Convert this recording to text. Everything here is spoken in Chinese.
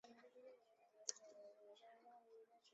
芝妍表示自己对模特儿工作有兴趣。